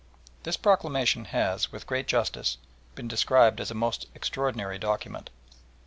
This proclamation has, with great justice, been described as a most extraordinary document.